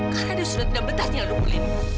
karena dia sudah tidak bertarik dengan dukungan ini